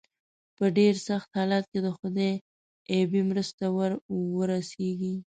په ډېر سخت حالت کې د خدای غیبي مرسته ور ورسېږي.